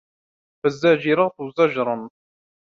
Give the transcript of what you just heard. فَالزَّاجِرَاتِ زَجْرًا